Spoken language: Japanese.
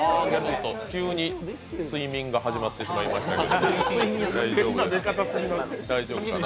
急に睡眠が始まってしまいましたけど大丈夫ですかね。